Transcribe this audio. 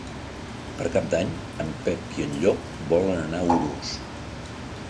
Per Cap d'Any en Pep i en Llop volen anar a Urús.